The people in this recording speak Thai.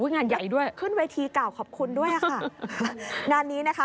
งานใหญ่ด้วยขึ้นเวทีกล่าวขอบคุณด้วยค่ะงานนี้นะคะ